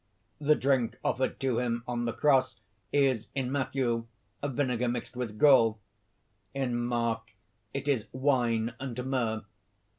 The drink offered to him on the cross, is, in Matthew, vinegar mixed with gall; in Mark, it is wine and myrrh.